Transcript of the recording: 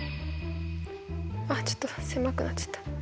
あっちょっと狭くなっちゃった。